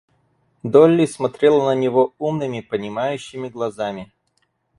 Долли смотрела на него умными, понимающими глазами.